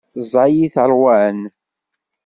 Ẓẓay-it ṛwan.